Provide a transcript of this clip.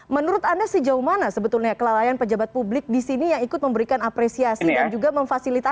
menurut anda sejauh mana sebetulnya kelalaian pejabat publik di sini yang ikut memberikan apresiasi dan juga memfasilitasi